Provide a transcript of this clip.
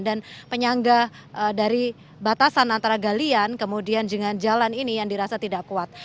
dan penyangga dari batasan antara galian kemudian dengan jalan ini yang dirasa tidak kuat